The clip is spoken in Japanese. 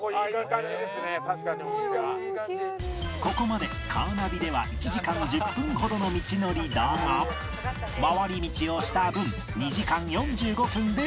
ここまでカーナビでは１時間１０分ほどの道のりだが回り道をした分２時間４５分で到着